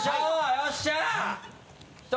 よっしゃ！